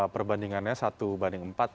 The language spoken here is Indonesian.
perbandingannya satu banding empat